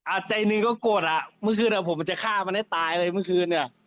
อ่าใจหนึ่งก็โกรธอ่ะเมื่อคืนผมจะฆ่ามันให้ตายเลย